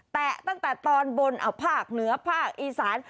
แตะตั้งแต่ตอนบนเอาภาคเหนือภาคอีสาน